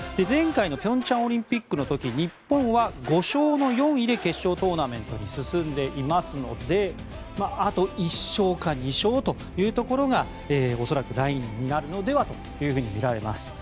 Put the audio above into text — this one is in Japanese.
前回の平昌オリンピックの時日本は５勝の４位で決勝トーナメントに進んでいますのであと１勝か２勝というところが恐らくラインになるのではとみられます。